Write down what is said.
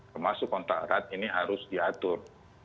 termasuk kontak erat ini harus diatur